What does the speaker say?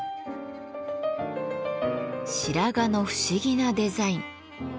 白髪の不思議なデザイン。